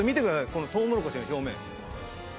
このトウモロコシの表面。